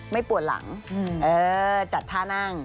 ไม่ปวดหลังเออจัดท่านั่ง